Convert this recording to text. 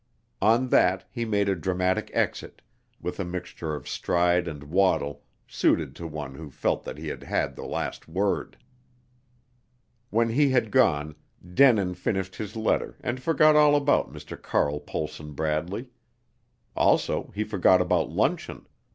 On that he made a dramatic exit, with a mixture of stride and waddle suited to one who felt that he had had the last word. When he had gone, Denin finished his letter and forgot all about Mr. Carl Pohlson Bradley. Also he forgot about luncheon.